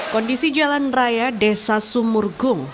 kondisi jalan raya desa sumurgung